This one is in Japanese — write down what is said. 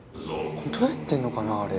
どうやってんのかなあれ。